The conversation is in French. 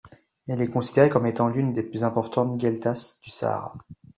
Elle est considérée comme étant l'une des plus importantes gueltas du Sahara.